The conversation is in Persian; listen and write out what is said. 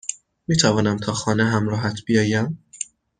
میتوانم تا خانه همراهت بیایم؟